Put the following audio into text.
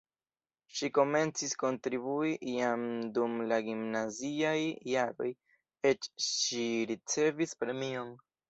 Ŝi komencis kontribui jam dum la gimnaziaj jaroj, eĉ ŝi ricevis premion.